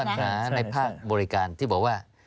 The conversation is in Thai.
ก็มีปัญหาในภาคบริการที่บอกว่า